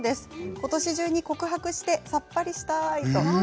ことし中に告白してさっぱりしたい。